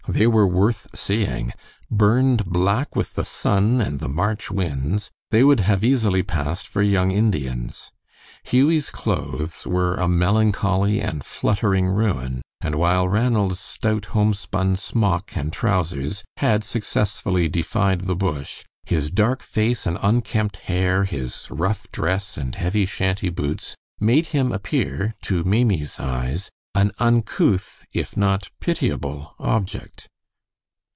They were worth seeing. Burned black with the sun and the March winds, they would have easily passed for young Indians. Hughie's clothes were a melancholy and fluttering ruin; and while Ranald's stout homespun smock and trousers had successfully defied the bush, his dark face and unkempt hair, his rough dress and heavy shanty boots, made him appear, to Maimie's eyes, an uncouth, if not pitiable, object.